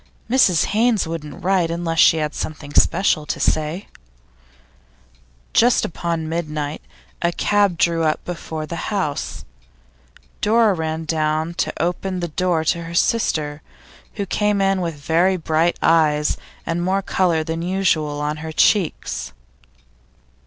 'Mrs Haynes wouldn't write unless she had something special to say. Just upon midnight, a cab drew up before the house. Dora ran down to open the door to her sister, who came in with very bright eyes and more colour than usual on her cheeks.